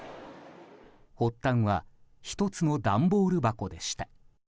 発端は１つの段ボール箱でした。